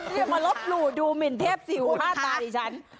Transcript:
คุณมารบหรูดูหมินเทพสี่หูห้าตาดิฉัน